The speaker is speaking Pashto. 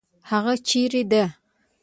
هغه چیرې ده؟